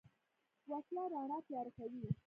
وسله رڼا تیاره کوي